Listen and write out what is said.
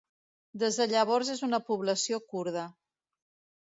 Des de llavors és una població kurda.